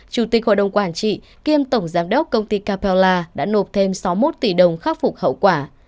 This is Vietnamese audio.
chủ tịch hội đồng quản trị kiêm tổng giám đốc công ty capella đã nộp thêm sáu mươi một tỷ đồng khắc phục hậu quả